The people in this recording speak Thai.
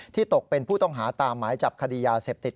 ตกเป็นผู้ต้องหาตามหมายจับคดียาเสพติด